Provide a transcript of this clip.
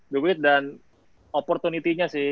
duit dan opportunity nya sih